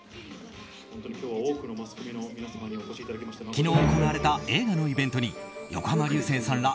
昨日行われた映画のイベントに横浜流星さんら